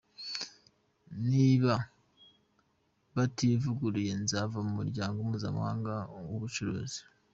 "Niba bativuguruye, nzava mu muryango mpuzamahanga w'ubucuruzi.